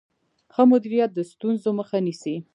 ښه مدیریت د ستونزو مخه نیسي.